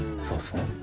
そうっすね